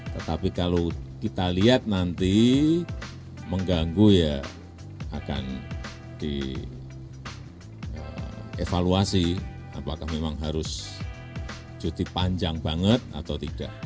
tetapi kalau kita lihat nanti mengganggu ya akan dievaluasi apakah memang harus cuti panjang banget atau tidak